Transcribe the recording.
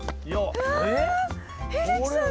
秀樹さん